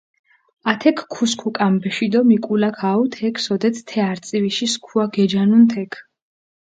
ათექ ქუსქუ კამბეში დო მიკულაქ აჸუ თექ, სოდეთ თე არწივიში სქუა გეჯანუნ თექ.